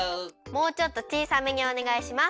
もうちょっとちいさめにおねがいします。